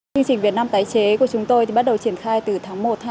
chương trình việt nam tái chế của chúng tôi bắt đầu trở thành một trường hợp